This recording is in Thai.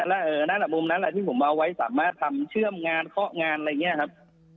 และมุมนั้นที่ผมเอาไว้สามารถทำเชื่อมงานเคาะงานอะไรอย่างนี้ครับ